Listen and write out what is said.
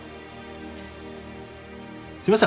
すいません。